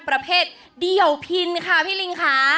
ประเภทเดียวพินค่ะพี่ลิงค่ะ